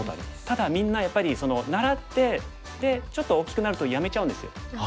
ただみんなやっぱり習ってでちょっと大きくなるとやめちゃうんですよ。